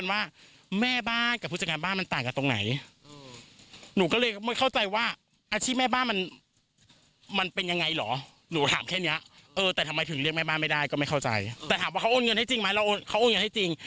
แต่ถามว่าเขาโอนเงินให้จริงไหมเราเขาโอนเงินให้จริง